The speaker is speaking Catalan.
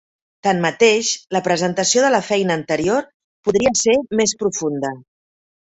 Tanmateix, la presentació de la feina anterior podria ser més profunda.